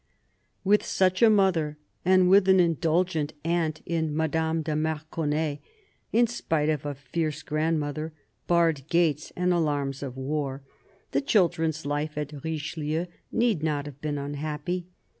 With such a mother, and with an indulgent aunt in Madame de Marconnay — in spite of a fierce grandmother, barred gates and alarms of war — the children's life at Richelieu need not have been unhappy.